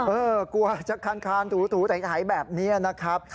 กลัวจะคานถูไถแบบนี้นะครับ